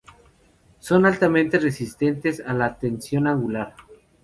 Son altamente resistentes a la tensión angular.